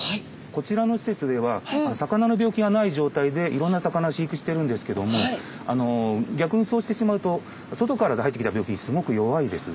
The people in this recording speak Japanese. こちらの施設では魚の病気がない状態でいろんな魚を飼育してるんですけども逆にそうしてしまうと外から入ってきた病気にすごく弱いです。